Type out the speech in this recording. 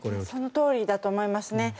そのとおりだと思いますね。